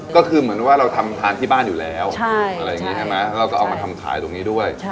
ก็คือเหมือนว่าเราทำทานที่บ้านอยู่แล้วอะไรอย่างนี้ใช่ไหมเราก็เอามาทำขายตรงนี้ด้วย